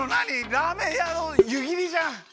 ラーメンやのゆぎりじゃん。